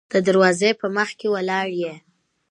د دروازې په مخکې ولاړ يې.